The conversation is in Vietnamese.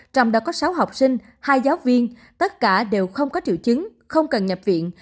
trong đó có sáu học sinh hai giáo viên tất cả đều không có triệu chứng không cần nhập viện